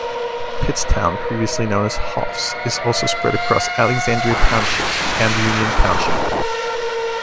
Pittstown, previously known as Hoffs, is also spread across Alexandria Township and Union Township.